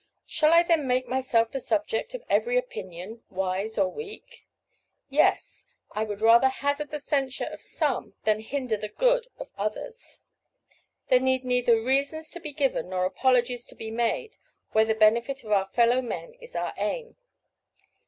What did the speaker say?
Shall I then make myself the subject of every opinion, wise or weak? Yes, I would rather hazard the censure of some than hinder the good of others. There need neither reasons to be given nor apologies to be made where the benefit of our fellow men is our aim.